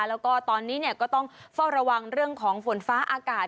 แล้วก็ตอนนี้ก็ต้องเฝ้าระวังเรื่องของฝนฟ้าอากาศ